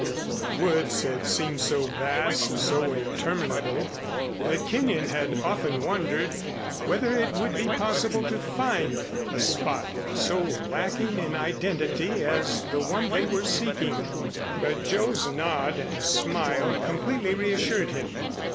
The woods had seemed so vast, so interminable that Kenyon had often wondered whether it would be possible to find a spot so lacking in identity as the one they were seeking. But Joe's nod and smile completely reassured him.